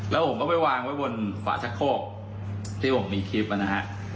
แล้วผมก็ไปวางไว้บนฝาชะโคกที่ผมมีคลิปนะฮะ